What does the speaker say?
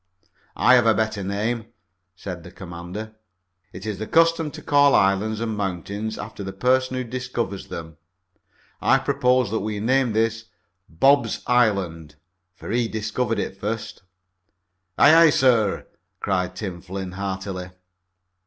"I have a better name," said the commander. "It is the custom to call islands and mountains after the person who discovers them. I propose that we name this 'Bob's Island,' for he discovered it first." "Aye, aye, sir!" cried Tim Flynn heartily.